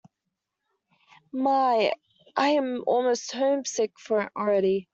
My, I'm almost homesick for it already.